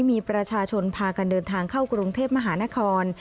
มีประชาชนพากันเดินทางเข้ากรุงเทพมหานคร